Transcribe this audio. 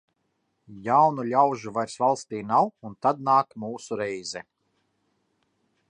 Jaunu ļaužu vairs valstī nav, un tad nāk mūsu reize.